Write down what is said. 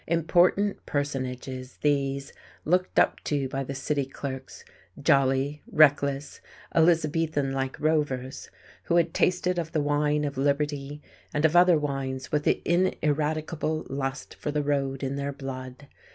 Important personages, these, looked up to by the city clerks; jolly, reckless, Elizabethan like rovers, who had tasted of the wine of liberty and of other wines with the ineradicable lust for the road in their blood.